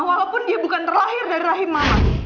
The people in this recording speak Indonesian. walaupun dia bukan terlahir dari rahim mahat